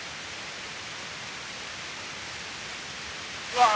わあ！